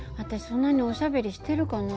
そんなにおしゃべりしてるかな。